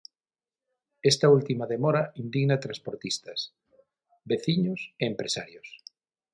Esta última demora indigna transportistas, veciños e empresarios.